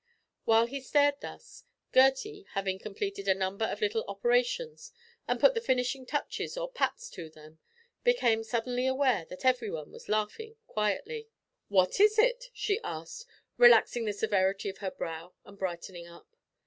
While he stared thus, Gertie, having completed a number of little operations and put the finishing touches or pats to them, became suddenly aware that every one was laughing quietly. "What is it?" she asked, relaxing the severity of her brow and brightening up.